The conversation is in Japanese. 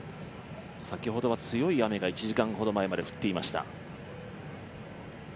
先ほどは強い雨が１時間ほど前まで降っていました。